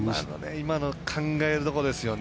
今の考えるところですよね。